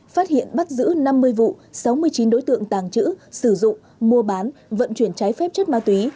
phát hiện bắt giữ năm mươi vụ sáu mươi chín đối tượng tàng trữ sử dụng mua bán vận chuyển trái phép chất ma túy